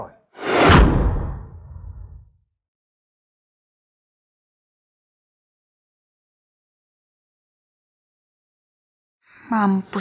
maksudnya di ban dirialnya